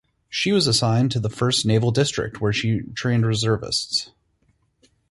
She was assigned to the First Naval District where she trained reservists.